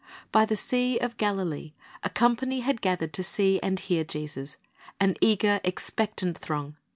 By the Sea of Galilee a company had gathered to see and hear Jesus, — an eager, expectant throng.